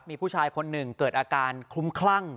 มีผู้ชายคนหนึ่งเกิดอาการคลุ้มคลั่ง